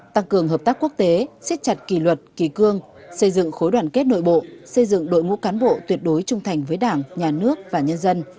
tăng cường hợp tác quốc tế xếp chặt kỳ luật kỳ cương xây dựng khối đoàn kết nội bộ xây dựng đội ngũ cán bộ tuyệt đối trung thành với đảng nhà nước và nhân dân